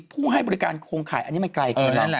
ผู้ให้บริการโค้งขายอันนี้ไม่ไกล